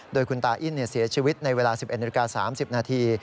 โดยคุณตาอิ้นเสียชีวิตในเวลา๑๑นาฬิกา๓๐นาที